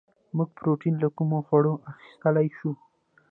موږ پروټین له کومو خوړو اخیستلی شو